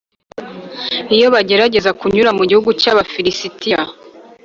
iyo bagerageza kunyura mu gihugu cy’abafirisitiya,